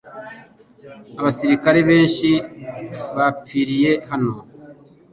Abasirikare benshi bapfiriye hano .